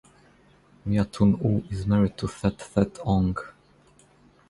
Mya Tun Oo is married to Thet Thet Aung.